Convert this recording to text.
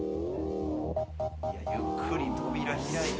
いやゆっくり扉開いて。